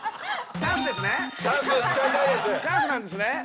チャンスなんですね？